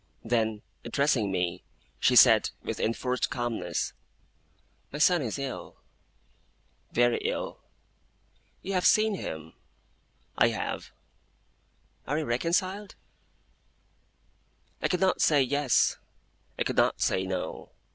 Then, addressing me, she said, with enforced calmness: 'My son is ill.' 'Very ill.' 'You have seen him?' 'I have.' 'Are you reconciled?' I could not say Yes, I could not say No.